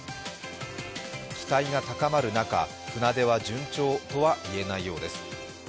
期待が高まる中、船出は順調とは言えないようです。